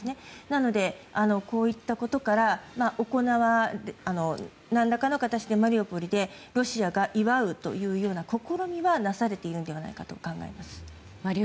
なので、こういったことから何らかの形でマリウポリでロシアが祝うというような試みがなされているのではないかと思います。